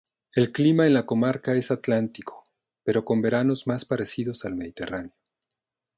El clima en la comarca es atlántico pero con veranos más parecidos al mediterráneo.